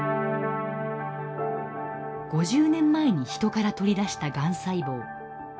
５０年前に人から取り出したがん細胞。